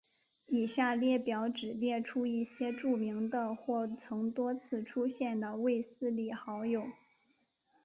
以下列表只列出一些著名的或曾多次出现的卫斯理好友。